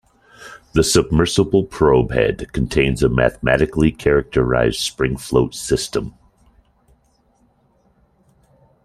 The submersible probe head contains a mathematically characterized spring-float system.